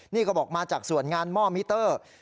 นี่ก็บอกมาจากส่วนงานหม้อมิเตอร์